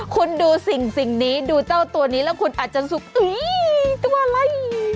คุณดูสิ่งนี้ดูเจ้าตัวนี้แล้วคุณอาจจะสุขอุ้ยตัวอะไร